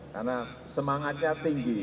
karena semangatnya tinggi